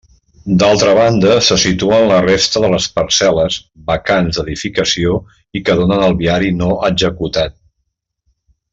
D'altra banda, se situen la resta de les parcel·les, vacants d'edificació i que donen al viari no executat.